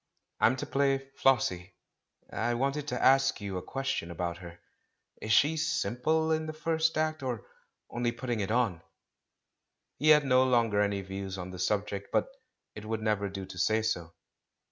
*'I'm to play 'Flossie' — I wanted to ask you a question about her. Is she simple in the first act, or only putting it on?" He had no longer any views on the subject, but it would never do to say so.